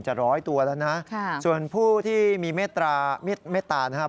จะ๑๐๐ตัวแล้วนะครับส่วนผู้ที่มีเม็ดตานะครับ